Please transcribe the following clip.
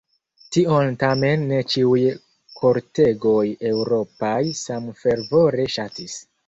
Tion tamen ne ĉiuj kortegoj eŭropaj samfervore ŝatis.